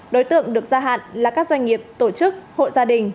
đối tượng được gia hạn là các doanh nghiệp tổ chức hộ gia đình